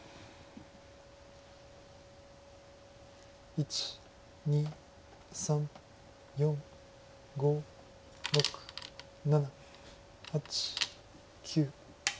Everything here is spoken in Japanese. １２３４５６７８９。